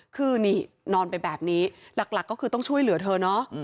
คือนี่นอนไปแบบนี้หลักก็คือต้องช่วยเหลือเธอเนาะ